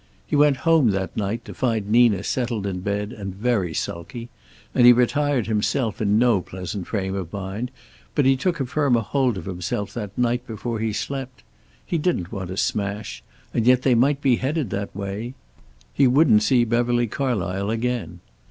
He went home that night, to find Nina settled in bed and very sulky, and he retired himself in no pleasant frame of mind. But he took a firmer hold of himself that night before he slept. He didn't want a smash, and yet they might be headed that way. He wouldn't see Beverly Carlysle again.